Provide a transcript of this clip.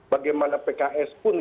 bagaimana pks pun